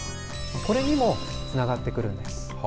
これにもつながってくるんです。